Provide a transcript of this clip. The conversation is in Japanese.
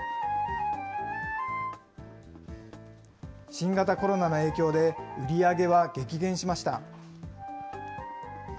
新型コロナの影響で、売り上げは激減しました。